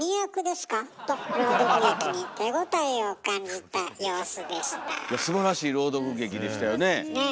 すばらしい朗読劇でしたよねえ。